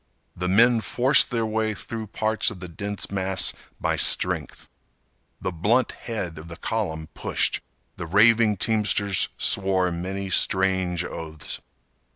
The men forced their way through parts of the dense mass by strength. The blunt head of the column pushed. The raving teamsters swore many strange oaths.